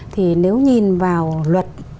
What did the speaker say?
thì nếu nhìn vào luật